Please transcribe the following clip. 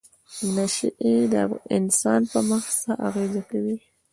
نشې د انسان په مغز څه اغیزه کوي؟